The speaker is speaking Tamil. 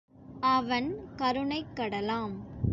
அவன் கருணைக் கடலாம்.